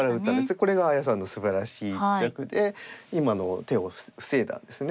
これが彩さんのすばらしい一着で今の手を防いだんですね。